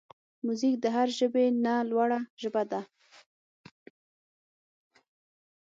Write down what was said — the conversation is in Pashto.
موزیک د هر ژبې نه لوړه ژبه ده.